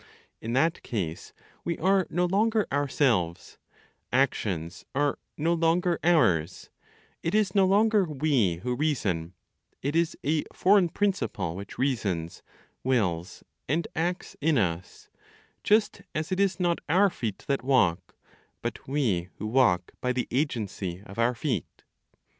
In that case, we are no longer ourselves; actions are no longer ours; it is no longer we who reason; it is a foreign principle which reasons, wills, and acts in us, just as it is not our feet that walk, but we who walk by the agency of our feet.